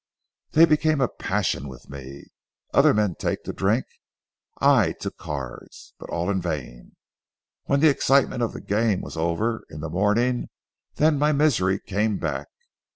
They became a passion with me. Other men take to drink, I to cards. But all in vain. When the excitement of the game was over in the morning, then my misery came back.